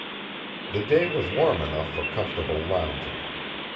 The day was warm enough for comfortable lounging.